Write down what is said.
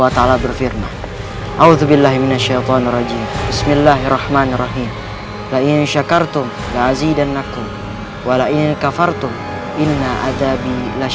temukan puluhan games menarik di games plus